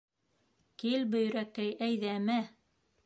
Кил, Бөйрәкәй, әйҙә, мә!